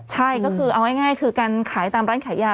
ใช่ก็คือเอาง่ายคือการขายตามร้านขายยา